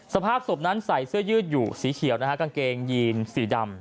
สภาพศพนั้นใส่เสื้อยืดอยู่สีเขียวนะฮะกางเกงยีนสีดำ